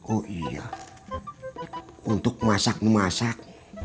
oh iya untuk masak memasak